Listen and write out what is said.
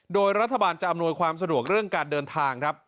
โดยรัฐบาลจะอำนวยความสะดวกเรื่องการเดินทางครับ